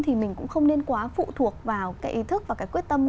thì mình cũng không nên quá phụ thuộc vào cái ý thức và cái quyết tâm